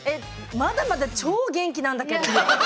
まだまだ超元気なんだけど。